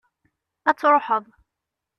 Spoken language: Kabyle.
ad truḥeḍ